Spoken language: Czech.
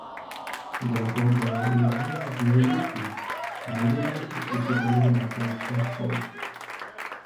Greco byl jedním z největších a nejvlivnějších učitelů neapolské školy.